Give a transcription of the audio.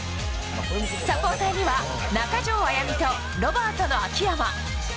サポーターには中条あやみとロバートの秋山。